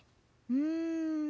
うん。